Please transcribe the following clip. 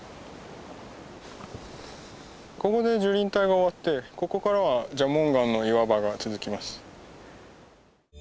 ここで樹林帯が終わってここからは蛇紋岩の岩場が続きます。